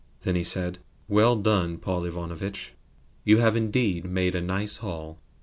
Then he said: "Well done, Paul Ivanovitch! You have indeed made a nice haul!"